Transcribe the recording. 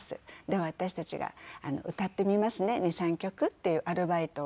「では私たちが歌ってみますね２３曲」っていうアルバイトをさせて頂いて。